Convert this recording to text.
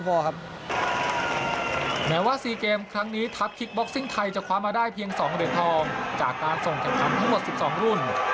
จากการส่งแถมคำทั้งหมดสิบสองรุ่น